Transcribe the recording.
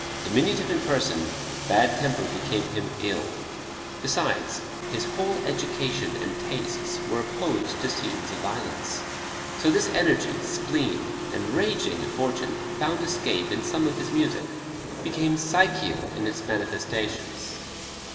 Diminutive in person, bad temper became him ill; besides, his whole education and tastes were opposed to scenes of violence. So this energy, spleen and raging at fortune found escape in some of his music, became psychical in its manifestations.